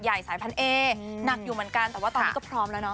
นักอยู่เหมือนกันแต่ว่าตอนนี้ก็พร้อมแล้วเนอะ